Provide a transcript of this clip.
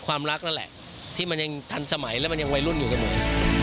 ความรักนั่นแหละที่มันยังทันสมัยและมันยังวัยรุ่นอยู่เสมอ